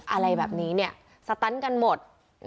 อะไรแบบนี้เนี่ยสตันกันหมด